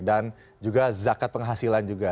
dan juga zakat penghasilan juga